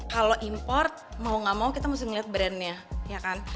kalau import mau nggak mau kita mesti melihat brand nya